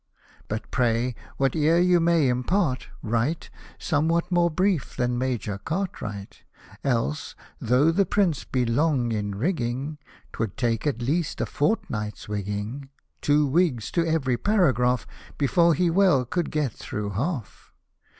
But, pray, whate'er you may impart, write Somewhat more brief than Major C— rtwr — ght : Else, though the Pr e be long in rigging, 'Twould take, at least, a fortnight's wigging, — Two wigs to every paragraph — Before he well could get through half.